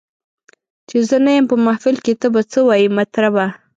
چي زه نه یم په محفل کي ته به څه وایې مطربه